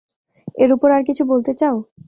এর উপর আর কিছু বলতে চাও?